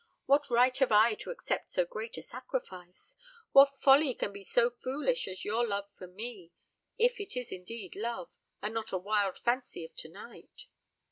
"What right have I to accept so great a sacrifice? What folly can be so foolish as your love for me if it is indeed love, and not a wild fancy of to night!"